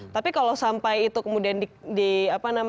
tapi kalau sampai itu kemudian